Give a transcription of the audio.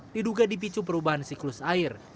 diduga dipicu perubahan siklus air